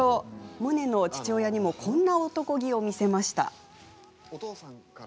モネの父親にもこんな男気を見せました。